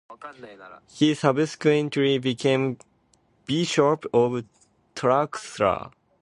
He subsequently became bishop of Tlaxcala.